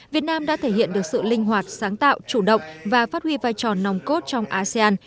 việt nam đã thể hiện được sự linh hoạt sáng tạo chủ động và phát huy vai trò nòng cốt trong asean